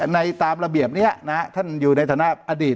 ในตามระเบียบเนี้ยนะฮะท่านอยู่ในธนาปน์อดีต